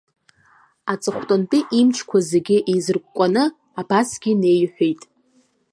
Аҵыхәтәантәи имчқәа зегьы еизыркәкәаны, абасгьы неиҳәеит.